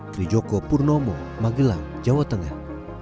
trijoko purnomo magelang jawa tengah